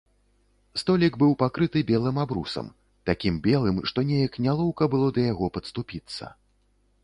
Столік быў пакрыты белым абрусам, такім белым, што неяк нялоўка было да яго падступіцца.